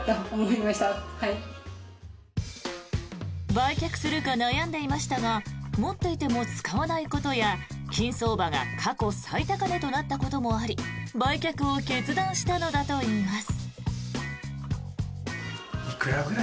売却するか悩んでいましたが持っていても使わないことや金相場が過去最高値となったこともあり売却を決断したのだといいます。